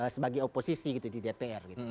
sebagai oposisi di dpr